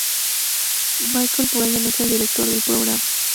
Michael Bryan es el director del programa.